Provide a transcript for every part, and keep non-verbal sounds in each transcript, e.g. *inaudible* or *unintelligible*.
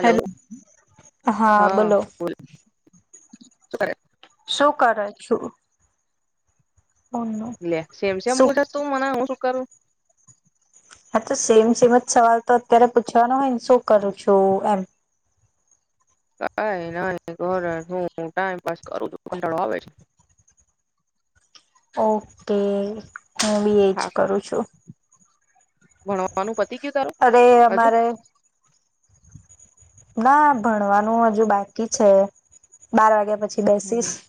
Hello હા બોલો સરે શું કરે છું ઓનું લે સેમ સેમ શું પૂછસ તોું મના હું સુું કરું હા તો સેમ સેમ જ સવાલ તો અત્યારે પૂછવાનો હોયને શું કરું છું એમ કઈ નહી ઘર હું ટાઈમપ કરું છું ખંટાળો આવે છે ઓકે હું બી એ જ હા કરું છું ભણવાનું પતિ ગયું તારું અરે હજુ અમારે ના ભણવાનું હજુ બાકી છે બાર વાગ્યા પછી પ બેસીસ હમ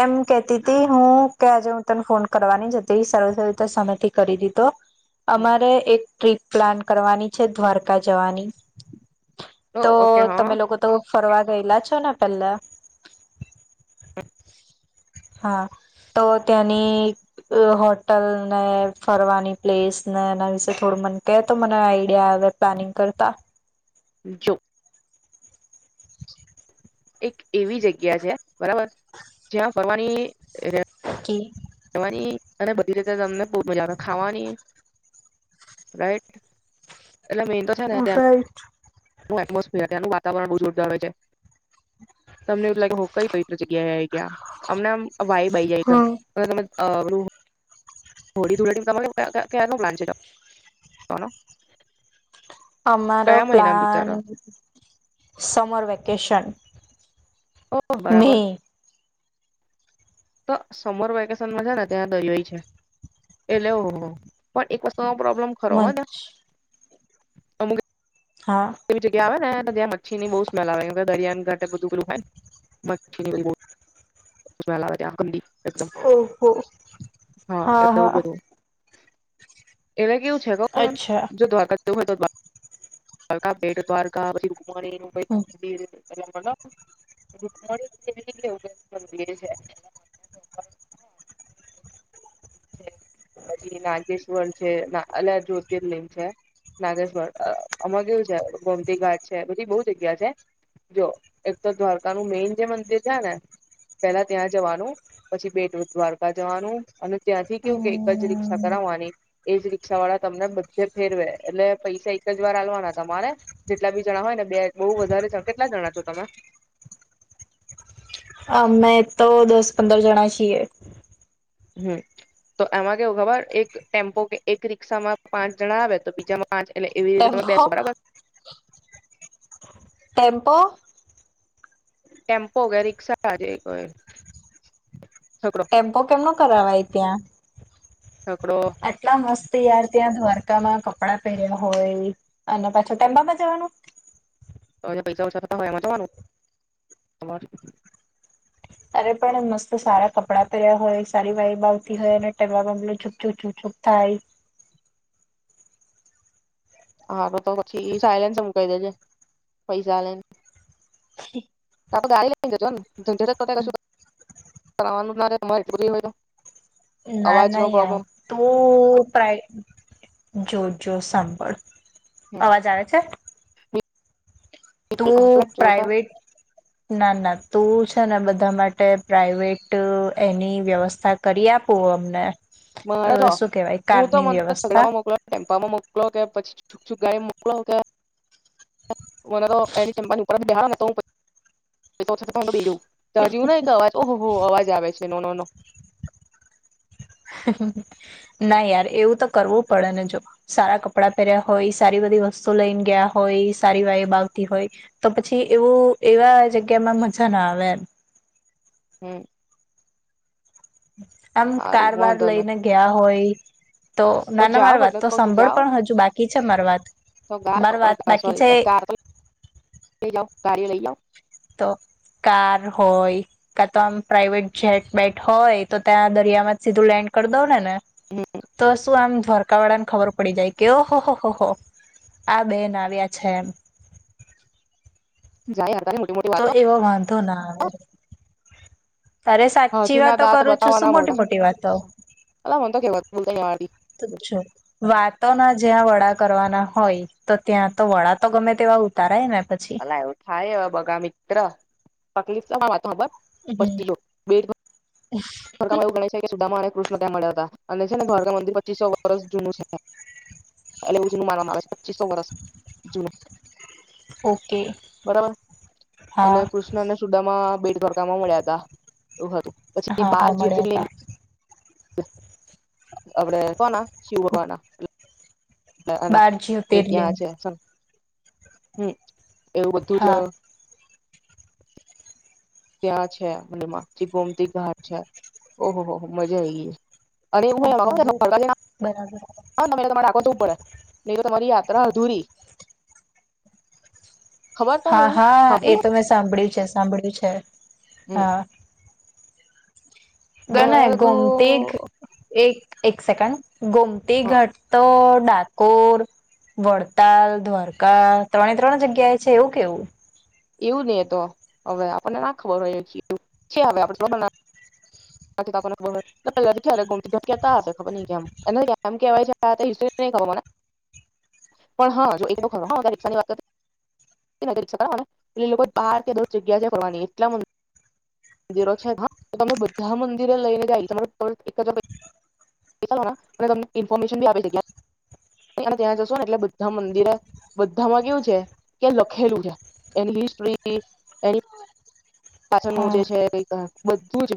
એમ કેતી હતી હું કે આજે હું તને ફોન કરવાની જ હતી સ સમય થી કરી દીધો અમારે એક ટ્રીપ પ્લાન કરવાની છે દ્વારકા જવાની ઓ તો ઓકે હઅ. તમે લોકો તો ફરવા ગયેલા છો ને પેલા? હ *inaudible* હા, તો ત્યાંની હોટલ ને ફરવાની પ્લેસ ને એના વિશે થોડું મને કહે તો મને આઈડિયા આવે પ્લાનિંગ કરતા. જો એક એવી જગ્યા છે બરાબર, જ્યાં ફરવાની કે હવાની અને બધી રીતે તમને બહુ મજા આવે ખાવાની રાઈટ. એટલે મેન તો છે ને ત્યાં રાઈટ ત્યાનું એટમોસફિયર ત્યાનું વાતાવરણ બહુ જોરદાર હોય છે, તમને એવું જ લાગે *unintelligible* કઈ જગ્યાએ આઈ... યા અમને આમ વાઈબ આઈ જાય એકદમ. હા *unintelligible* અ. *unintelligible* હોળી, ધુલેટીમાં તમાર ક્યાં કયાં નો પ્લાન છે તમાર, કોનો? અમારો પ્લાન સમર વેકેશન. ઓહ મે બરાબર. તો સમર વેકેશનમાં છે ને ત્યાં દરિયાઈ છે એટલે ઓહ પણ એક વસ્ત ઉ તો પ્રોબ્લેમ ખરો હો મંચ ત્યાં. *unintelligible* હા એવી જગ્યા આવે ને તો ત્યાં મચ્છીની બહુ સ્મેલ આવે. દરિયાન ઘાટ ત્યાં બધું પેલું હોય ન. મ છીલી વાલી બોટ. સ્મેલ આવે ત્યાં ગંદી. ઓહો હા હા. એમાં કેવું છે કવ એમ અચ્છા જો દ્વારકા જવું હોય તો દ્વાર રકા બેેટ દ્વારકા પછી મહાદેવીનું કંઈ મંદિર એટલે *unintelligible* રુકમણી દેવી કે એવું કંઈ મંદિર છે. પછી નાગેશ્વર છે, અલા જ્યોતિર્લિંગ છે, નાગેશ્વર આમાં કેવું છે ગોમતી ઘાટ છે, બધી બહુ જગ્યા છે. જો એક તો દ્વારકાનું મેઈન જે મંદિર છે ને પેલા ત્યાં જવાનું પછી બેટ દ્વારકા જવાનું અને ત્યાંથી કેવું કે એક બાજ રીક્ષા હમ કરાવવાની એજ રીક્ષા વાળા તમને બધે જ ફેરવે એટલે પૈસા એક જ વાર આલવાના તમારે જેટલા બી જણા હોય ને બે બહુ વધારે જણ કેટલા જણા છો તમે? અમે તો દસ પંદર જણા છીએ. હમ્મ, તો આમાં કેવ ખબર એક ટેમ્પો કે એક રિક્ષામાં પાંચ જણા આવે તો બીજામાં પાંચ એટલે એવી રીતે તમે ટેમ્પો બેસો બરાબર. ટેમ્પો. ટેમ્પો કે રિક્ષા જે હોય. ટેમ્પો કેમનો કરાવાય. ત્યાં છકડો આટલા મસ્ત તયાર ત્યાં દ્વારકામાં કપડા પહેર્યા હોય અને પાછો તેમના બા જવાના. તમે પૈસા ઓછા થતા હોય એમાં જવાનું, તમાર. ત્યારે પણ મસ્ત સારા કપડાં પહેર્યા હોય સારી વાઈબ આવતી હોય અને ટેવા મામલો છૂપછુપ છૂપછૂપ થાય. હા, તો તો પછી સિલેન્સ મુકાઈ દેજે, પૈસા લઈને. તો ઓ ગાડી લઈને જજો એમ ઝંઝટ એ પતાઈ જશું એમ *inaudible* ના ના યાર તું પ્રાય જો જો સાંબળ. અવાજ આવે છે? બિલકુલ તું કમ્પલેટ જોરદાર. પ્રાઈવેટ ના ના તું છે ને બધા માટે પ્રાઈવેટ એની વ્યવસ્થા કરી આપું અમને. મારે જો શું કેહેવાય હું તો કારની મને છગડા વ્યવસ્થા માં મોકલો, ટેમ્પા માં મોક મોકલો કે પછી છૂક છુક ગાડી મોકલો કે મને તો એની ચપાની ઉપર બેહાડો ને તો હું *inaudible* તો તો છતાં એમ બેહ જઉં. તા જેવુનું એક અવાજ ઓ હો હો અવાજ આવે છ તે નો નો નો. ના યાર એવું તો કરવું પડે ને જો સારા કપડાં પહેર્યા હોય સારી બધી વસ્તુ લઈને ગયા હોય સારી વાઈબ આવતી હોય તો પછી એવું એવા જગ્યામાં મજા ના આવે એમ. હમ્મ. આમ કાર બાર વાંધો નઈ લઈને ગયા હોય તો નાના જાવ મારી વાત એટલે તો કઉ છું સાંભળ જાવ પણ હજુ બાકી છે મારી વાત તો ગાર મારી વાત બાકી સોરી છે. કાર તો *unintelligible* લઈ આવ તો કાર હોય કા તો આમ પ્રાઈવેટ જેટ બેટ હોય તો ત્યાં દરિયામાં જ સીધું લેન્ડ કરી દઉ ને ને હમ તો શું આમ ધર કાવડાને ખબર પડી જાય કે ઓહ હો હો હો આ બેન આવ્યા છે. *unintelligible* તો એવો વાં ધો ના આવે. તારે સાચી હાથી ના વાતો દાંત કરું છું બતાવવા શું ના મોટી મોડા મોટી વાતો અલ્લા મન તો કહેવત બોલતા નહીં આવડતી *unintelligible* છ વાતો ના જ્યાં વળા કરવાના હોય તો ત્યાં તો વડા તો ગમે તેવા ઉતારાય ને પછી અલા એવું થાય બગા મિત્ર તકલીફ *unintelligible* મારી વાત તો હામબણ હમ પછીલો બેડ તમે એવું ગણે છે કે સુદામા કૃષ્ણ ત્યાં મળ્યા હતા અને છે ને દ્વારકા મંદિર પચીસો વર્ષ જૂનું છે. એટ માનવામાં આવે છે પચીસો વર્ષ જ. હા. બરાબર અને કૃષ્ણને સુદામા બેટ દ્વારકામાં મળ્યા હતા. એવું હતું. પછી હા બાર હા મળ્યા જ્યોતિર્લિંગ તા આપડે કોના શિવવાના? ટલે આના બાર એ જ્યોતિર્લિંગ ત્યાં છે ચલ. હમ્મ. એવું બધું જ હા ત્યાં છે મનેમાંછી ગોમતી ઘાટ છે. ઓહો હો મજા આઈ ગી. અનેરે ઓહો બરાબર *unintelligible* પડે *unintelligible* અરા અધૂરી. ખબર તને હા એવું હા એ સાંભળેલું તો મેં સાંભળ્યું છે, સાંભળ્યું છે. હમ હા. બને મારે બધું ગોમતી એક એક સેકન્ડ ગોમતી હા ઘાટ તો ડાકોર વડતાલ દ્વારકા ત્રણે ત્રણ જગ્યાએ છે, એવું કેવું. એવું નહી એ તો હવે આપણને ના ખબર હોય એ છેયુ, છે હવે આપન *inaudible* આતી તો આપન ને ખબર હોય *inaudible* કહેતા હશે ખબર નહીં કેમ એને આમ કેવાય છે આ ઇસ્યૂ નહીં ખબર મને પણ જો હા *inaudible* રિક્ષા ની વાત કરતું *inaudible* બધા મંદિરે લઈને જાય ત એક જ તમને *inaudible* ઇન્ફોર્મેશની ત્યાં જશો ને એટલે બધા મંદિરે બધામાં કેવું છે કે લખેલું છે એની હિસ્ટ્રી એની પાછળ નું હા જે છે કઈક બધુંજ.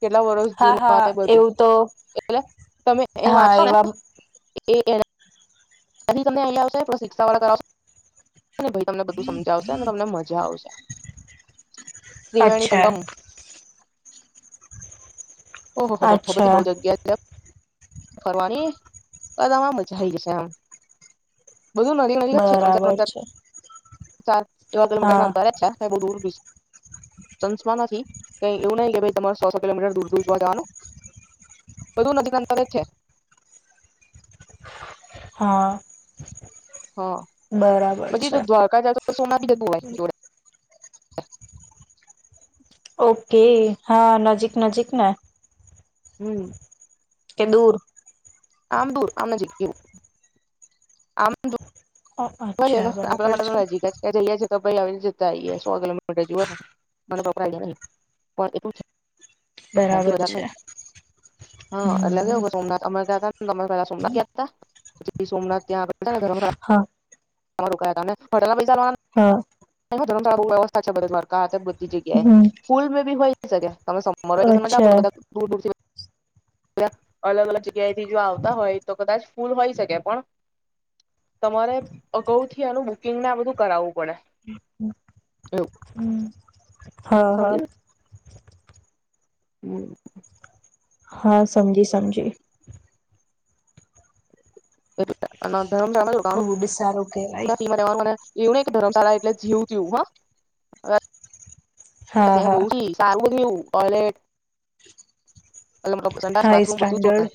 કેટલા વર્ષ હા જૂનું બાતે હા એ બધું એવું તો એટલે તમે એ હા વાંચોને એવા એ એણે કહી તમને *inaudible* આવશો એ શિક્ષા વાળા કરાવશો. અને ભાઈ તમને બધું સમજાવશે અને તમને મજા આવશે. તિવેણી અચ્છા. સંગમ. ઓહ હો હો બધી અચ્છા બહુ જગ્યા ક્યાં ફરવાની એ તામાં મજા આઈ જશે આમ. બધું નદી નદી જ છે ત્રણ ચાર બરાબર અંતર છે ચાલ. હા એવા *inaudible* સંસમાં નથી કઈ એવું નહી કે ભાઈ તમારા સોસો કિલોમીટર દૂર દૂર જોવા જવાનું, બધું નથી કા *unintelligible* હા. હા બરાબર છે. પછી, દ્વારકા જ તોછ સોના બી હોય જોડે. ઓકે હા નજીક નજીક ને હમ્મ. કે દૂર આમ દૂર આમ નજીક *unintelligible* આમ તો *unintelligible* એ અચ્છા તો આપણા બરાબર માટે છે તો નજીક જ એ જલ્યા *unintelligible* તો ભાઈ આવી જતા આઈએ સો કિલોમીટર જેવું હશે મને *unintelligible* આઇડિયા નહીં પણ એટલું તેથી બરાબર વધાર નહિ. છે હા, એટલે હમ કેવું સોમનાથ અમાર ત્યા *unintelligible* પેલા સોમનાથ ગયા હતા પછી સોમનાથ ત્યાં *unintelligible* હા તમારું કયા *unintelligible* તમારા પૈસા હા *unintelligible* *unintelligible* બહુ વ્યવસ્થા છે *unintelligible* જગ્યાએ હમ ફૂલ *unintelligible* હોય સગા તમે સમર વેકેનમાં જાવ તો અચ્છા બધા દૂર દૂર થી *unintelligible* જ્યાં અલગ અલગ જગ્યાથી જો આવતા હોય તો કદાચ ફૂલ હોય શકે પણ તમારે અગાઉથી આનું બુકિંગ ના આ બધું કરાવું હમ્મ, હમ્મ. હા, હા. હમ્મ. હા, સમજી સમજી. એ *inaudible* અના *inaudible* એવું ગુડ સારું કેવાય નહીં કે ધરમશાળા એટલે જીવ થીયુ હા હા ત્યાં હા બહુ જી સારું બન્યું ટોયલેટ એટલે મતલબ સંડાસ હા એ બાથરૂમ બધુ જોરદર. સ્ટાન્ડર્ડ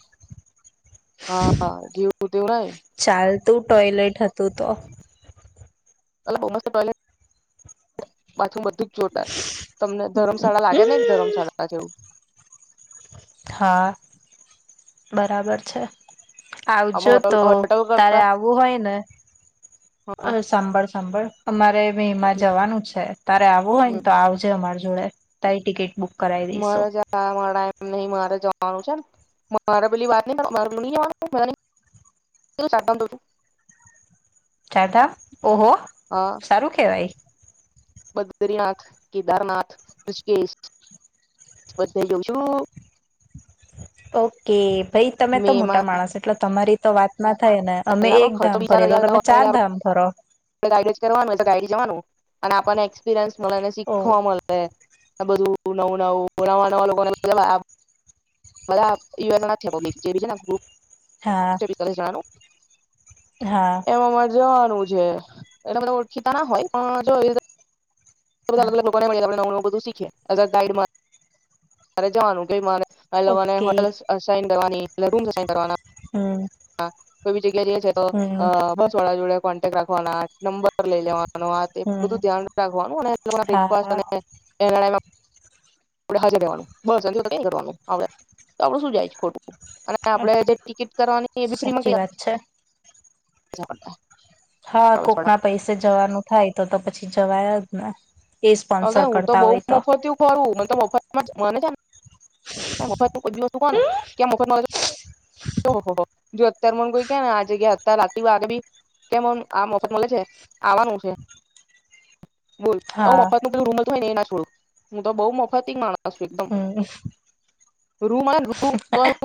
હા, જીવ તું નહીં ચાલતું ટોયલેટ હતું તો અલા બહુ મસ્ત ટોયલેટ, બાથરૂમ બધું જ જોરદાર તમને ધર્મશાળા લાગે ને એક ધર્મશાળા જેવું. હા, બરાબર છે. આવજો આમાં હોટલ તો હોટલ તારે કરતા આવવું હોય ને. હા અરે સાંભળ સાંભળ. અમારે મે એમાં જવાનું છે તારે આવવું હોય ને હમ તો આવજે અમારે જોડે તારી ટિકિટ બુક કરાવી દઈશું મારા જ મારા ટાઈમ નહીં મારે જો મારું જેમ. મારા પેલી વાત નહીં *inaudible* કદા ઓહો સારું કેહેવાય. બદ્રીનાથ, કેદારનાથ, ઋષકેેશ બધું જોવ શું. ઓકે ભાઈ તમે તો મે માં મોટા માણસ એટલે તમારી તો વાત ના થાય ને અમે પેલા પણ એક ખર્ચો ધામ ફરીએ તો તમે ચાર ધામ ફરો. *inaudible* કરવા તો ગડી જવાનું અને આપણને એક્સપિરયન્સ બધા ને ઓ શીખવા મલેે. બધું નવું નવું નવા નવા લોકોને *inaudible* બધા *inaudible* હા *inaudible* હા એમાં મારે જવાનું જે એનું મનું *inaudible* ના હોય પણ જો એ હા *inaudible* બધું શીખે એટલે ગાઈડ માં મારે જવાનું કે મારે એ લોકો ને ઓકે હોટલ અ સાઇન કરવાની *inaudible* શાઇન કરવાના. હમ્મ. હા કો જગ્યા જઈ છે તો અહ બસ વાળા જોડે કોન્ટેક્ટ રાખવાના નંબર લઈ લેવા હમ બધું ધ્યાન રાખવાનું *inaudible* હા હા એટલે હાજર રહેવાનું બસ ક કરવાનું આપડ શું જાય ખોટું. અને આપડે જે ટિકિટ કરવાની સાચી વાત છે. જવાને હા કોકના પૈસે જવાનું થાય તો તો પછી જવાય જ ને. એ અલે સ્પોન્સર હું તો કરતા બઉ હોય મફતિયું ફરું મને તો મફતમાં જ મને તો આમ મફત માં કોઈ ભી વસ્તુ કો ને કે આ મફત માં લઈ જાઓ ઓ હો હો જો અત્યારે મને કોઈ ક ને આ જગ્યા અત્યારે રાતીગ બી કે આ મફત મળે છે આવાનું છે બોલ તો હું હા મફત નું રૂમ મલતું હોય ને એમાં સોઉ. હું તો બઉુ મોફતી માણ ણસ છું એકદમ. હમ રૂમ મળે તો રૂમ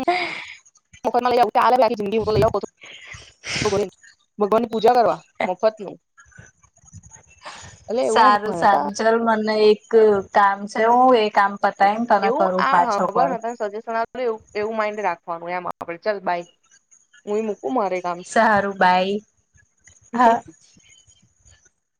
મફત માં લઈ તારે લ જિંદગી *inaudible* ભગવાન ની પૂજા કરવા મફત નું. સારું સારું ચાલ મને એક અહ કામ છે હું એ કામ પતાયને તને એવું કરું આ પાછો ખબર કોલ તને સજેશન આપ એવું એવું માઇડ રાખવાનું એમ આપડે ચાલ બાય. હું એ મુક સારું બાઈ હા.